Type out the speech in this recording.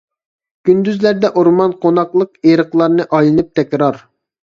كۈندۈزلەردە ئورمان قوناقلىق ئېرىقلارنى ئايلىنىپ تەكرار.